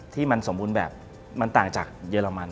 ที่มันสมบูรณ์แบบมันต่างจากเยอรมัน